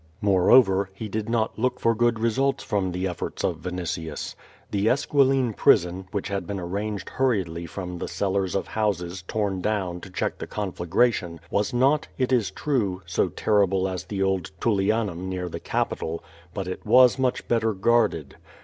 Moreover, he did not look for good results from the efforts of Vinitius. The Esquiline prison, which had been arranged hurriedly from the cellars of houses torn down to check the conflagration, was not, it is true, so terrible as the old Tul lianum near the Capitol, but it was much better guarded.